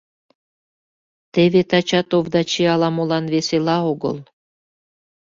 Теве тачат Овдачи ала-молан весела огыл.